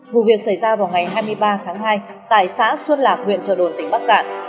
vụ việc xảy ra vào ngày hai mươi ba tháng hai tại xã xuân lạc huyện trợ đồn tỉnh bắc cạn